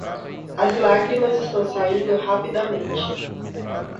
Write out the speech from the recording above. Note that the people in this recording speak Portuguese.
As lágrimas estão saindo rapidamente.